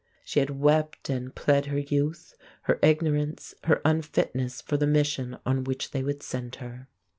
She had wept and pled her youth, her ignorance, her unfitness for the mission on which they would send her.